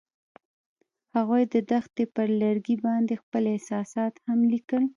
هغوی د دښته پر لرګي باندې خپل احساسات هم لیکل.